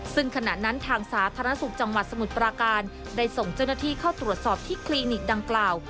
ซึ่งขณะนั้นทางสาธารณสุขจังหวัดสมุทรปราการได้ส่งเจ้าหน้าที่เข้าตรวจสอบที่คลินิกดังกล่าว